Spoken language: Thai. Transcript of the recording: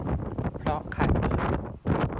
เพราะคันมือ